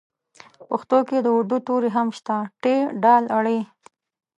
په پښتو کې د اردو توري هم شته ټ ډ ړ